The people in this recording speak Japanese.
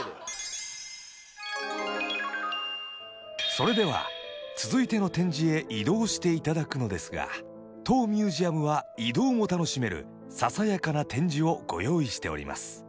それでは続いての展示へ移動していただくのですが当ミュージアムは移動も楽しめるささやかな展示をご用意しております